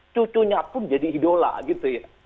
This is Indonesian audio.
cucunya pun jadi idola gitu ya